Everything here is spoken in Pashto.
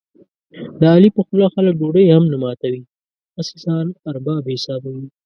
د علي په خوله خلک ډوډۍ هم نه ماتوي، هسې ځان ارباب حسابوي.